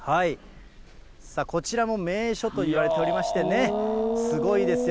こちらも名所といわれておりましてね、すごいですよ。